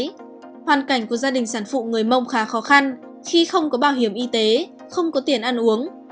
vì hoàn cảnh của gia đình sản phụ người mông khá khó khăn khi không có bảo hiểm y tế không có tiền ăn uống